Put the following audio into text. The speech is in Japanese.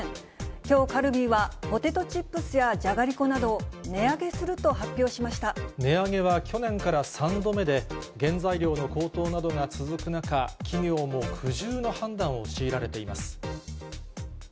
きょうカルビーは、ポテトチップスやじゃがりこなど、値上げする値上げは去年から３度目で、原材料の高騰などが続く中、企業も苦渋の判断を強いられています。